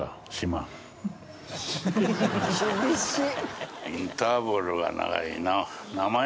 「厳しい！」